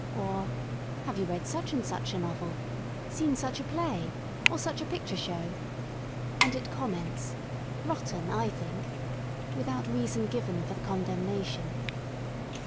..•" or Have you read Such and such a novel ? Seen such a play ? Or such a picture show?*' and it comments; Rotten, /think, without reason given for the condemnation.